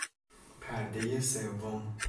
پردهی سوم